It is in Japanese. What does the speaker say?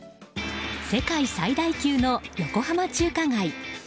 世界最大級の横浜中華街。